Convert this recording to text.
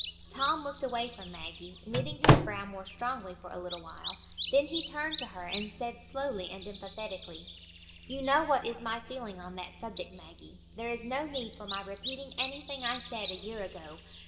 Tom looked away from Maggie, knitting his brow more strongly for a little while. Then he turned to her and said, slowly and emphatically,— "You know what is my feeling on that subject, Maggie. There is no need for my repeating anything I said a year ago.